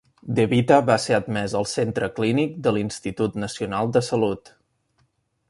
DeVita va ser admès al centre clínic de l'Institut Nacional de Salut.